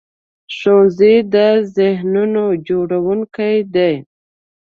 ښوونځی د ذهنونو جوړوونکی دی